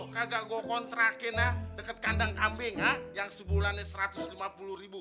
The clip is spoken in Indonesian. kagak gue kontrakin ya dekat kandang kambing yang sebulannya satu ratus lima puluh ribu